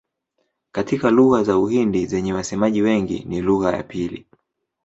Kati ya lugha za Uhindi zenye wasemaji wengi ni lugha ya pili.